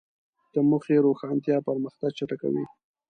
د موخې روښانتیا پرمختګ چټکوي.